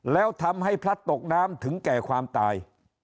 แล้วทำให้พลัดตกน้ำถึงแก่ความตาย